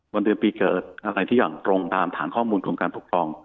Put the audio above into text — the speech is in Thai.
เดือนปีเกิดอะไรที่อย่างตรงตามฐานข้อมูลของการปกครอง